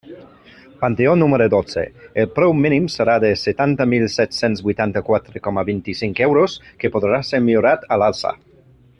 Panteó número dotze: el preu mínim serà de setanta mil set-cents vuitanta-quatre coma vint-i-cinc euros, que podrà ser millorat a l'alça.